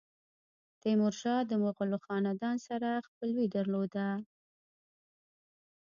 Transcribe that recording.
تیمورشاه د مغولو خاندان سره خپلوي درلوده.